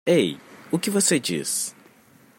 Ei? o que você diz?